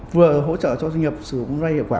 vừa hỗ trợ cho doanh nghiệp